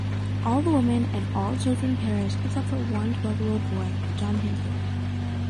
All women and all children perished except for one twelve-year-old boy, John Hindley.